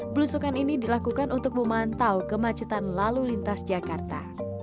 belusukan ini dilakukan untuk memantau kemacetan lalu lintas jakarta